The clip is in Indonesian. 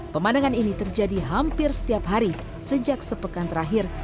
pemandangan ini terjadi hampir setiap hari sejak sepekan terakhir